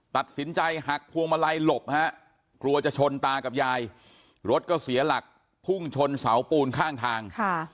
ตัดสินใจหักพวงมาลัยหลบฮะกลัวจะชนตากับยายรถก็เสียหลักพุ่งชนเสาปูนข้างทาง